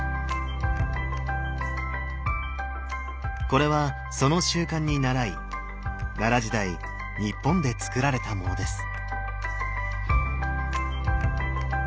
これはその習慣にならい奈良時代日本で造られたものです。